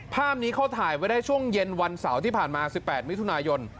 ภาพนี้เขาถ่ายไว้ได้ช่วงเย็นวันเสาร์ที่ผ่านมา๑๘มิถุนายน